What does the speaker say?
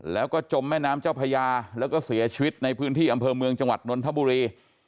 แล้วก็จมแม่น้ำเจ้าพญาแล้วก็เสียชีวิตในพื้นที่อำเภอเมืองจังหวัดนนทบุรี